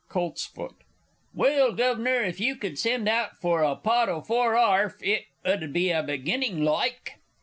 Colts. Well, Guv'nor, if you could send out for a pot o' four arf, it 'ud be a beginning, like.